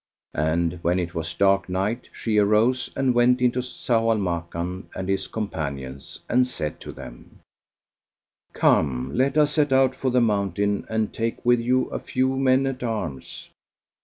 And when it was dark night, she arose and went in to Zau al Makan and his companions and said to them, "Come, let us set out for the mountain, and take with you a few men at arms."